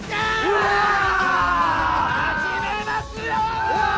始めますよー！